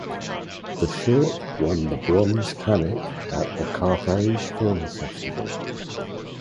The short won the Bronze Tanit at the Carthage Film Festival.